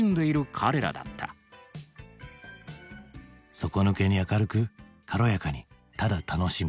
底抜けに明るく軽やかにただ楽しむ。